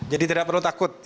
jadi tidak perlu takut